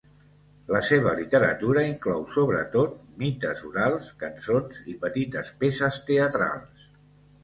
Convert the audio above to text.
La seva literatura inclou sobretot mites orals, cançons i petites peces teatrals.